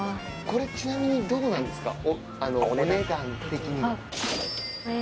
これちなみにどうなんですか？